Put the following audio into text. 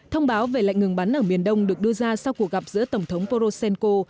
thông báo về lệnh ngừng bắn ở miền đông được đưa ra sau cuộc gặp giữa tổng thống poroshenko